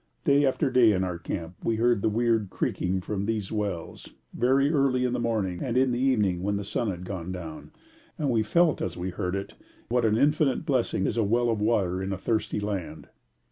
Day after day in our camp we heard the weird creaking from these wells, very early in the morning and in the evening when the sun had gone down, and we felt as we heard it what an infinite blessing is a well of water in a thirsty land.